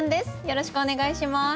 よろしくお願いします。